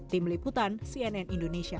tim liputan cnn indonesia